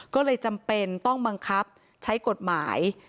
ก็เลยจำเป็นต้องบังคับใช้กฎหมาย